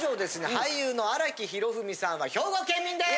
俳優の荒木宏文さんは兵庫県民です！